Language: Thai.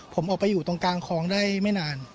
ผมออกไปอยู่ตรงกลางคลองได้ไม่นาน